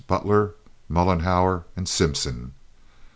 Butler, Mollenhauer, and Simpson.